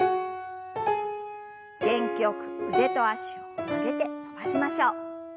元気よく腕と脚を曲げて伸ばしましょう。